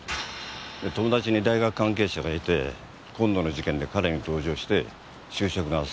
で友達に大学関係者がいて今度の事件で彼に同情して就職の斡旋してくれた。